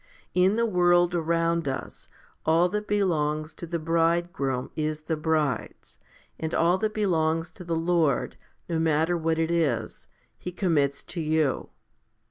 In the world around us, all that belongs to the bridegroom is the bride's ; and all that belongs to the Lord, no matter what it is, He commits to you.